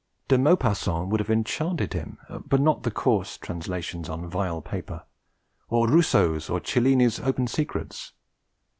De Maupassant would have enchanted him but not the coarse translations on vile paper or Rousseau's or Cellini's open secrets.